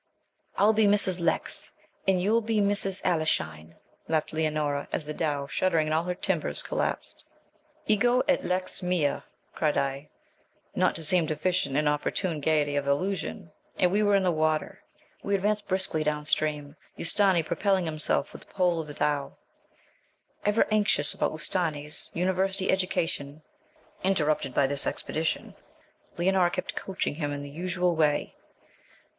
'I'll be Mrs. Lecks, and you'll be Mrs. Aleshine!' laughed Leonora, as the dhow, shuddering in all her timbers, collapsed. 'Ego et Lecks mea!' cried I, not to seem deficient in opportune gaiety of allusion, and we were in the water. We advanced briskly down stream, Ustâni propelling himself with the pole of the dhow. Ever anxious about Ustâni's University education (interrupted by this expedition), Leonora kept 'coaching' him in the usual way.